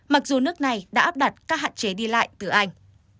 mặc dù nước này đã áp đặt các hạn chế đi lại từ anh